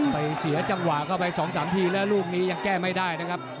เสียจังหวะเข้าไป๒๓ทีแล้วลูกนี้ยังแก้ไม่ได้นะครับ